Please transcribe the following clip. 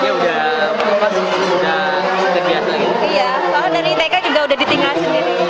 iya soalnya dari itk juga udah ditinggal sendiri